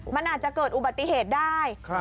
มันอาจจะเกิดอุบัติเหตุได้